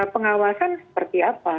pengawasan seperti apa